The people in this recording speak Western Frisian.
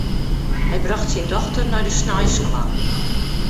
Hy brocht syn dochter nei de sneinsskoalle.